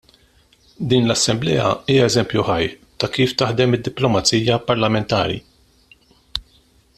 Din l-Assemblea hija eżempju ħaj ta' kif taħdem id-diplomazija parlamentari.